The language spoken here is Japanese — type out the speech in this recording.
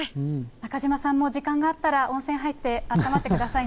中島さんも時間があったら、温泉入ってあったまってください